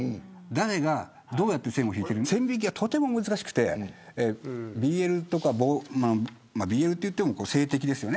誰がどうやって線を引くのか線引きがとても難しくてＢＬとか、ＢＬといっても性的ですよね。